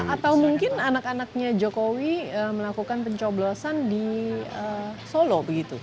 atau mungkin anak anaknya jokowi melakukan pencoblosan di solo